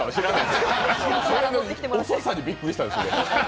遅さにびっくりしたんです。